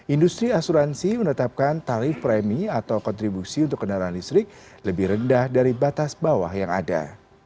industri asuransi menetapkan tarif premi atau kontribusi untuk kendaraan listrik lebih rendah dari batas bawah yang ada